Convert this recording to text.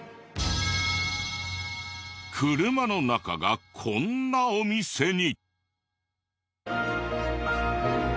車の中がこんなお店に。